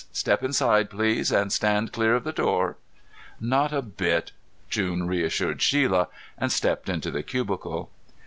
Step inside, please, and stand clear of the door." "Not a bit," June reassured Shelia, and stepped into the cubicle.